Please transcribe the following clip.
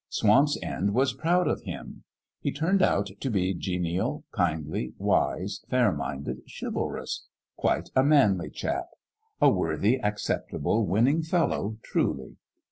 Swamp's End was proud of Him. He turned out to be genial, kindly, wise, fair minded, chivalrous, quite a manly Chap: a worthy, acceptable, winning Fellow, truly